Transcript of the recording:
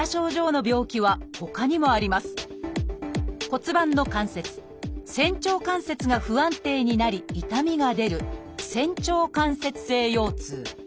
骨盤の関節「仙腸関節」が不安定になり痛みが出る「仙腸関節性腰痛」。